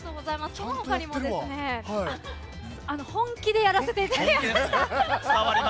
その他にも本気でやらせていただきました。